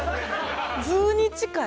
図に近い。